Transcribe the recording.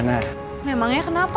yang setengah kakak saya